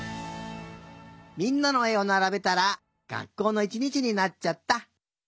みんなのえをならべたらがっこうのいちにちになっちゃった！